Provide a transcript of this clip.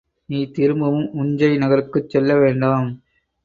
நீ திரும்பவும் உஞ்சை நகருக்குச் செல்ல வேண்டாம்.